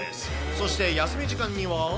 そして休み時間には。